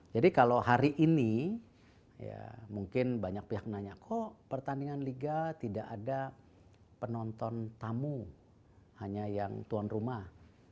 jadi kalau hari ini ya mungkin banyak pihak nanya kok pertandingan liga tidak ada penonton tamu hanya yang tuan rumah